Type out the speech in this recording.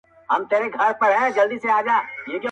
تش یو پوست وو پر هډوکو غوړېدلی!!